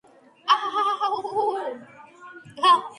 მისი დაღუპვიდან მალევე გარდაიცვალა გოგონაც.